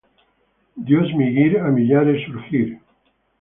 Dios migir, a millares surgir.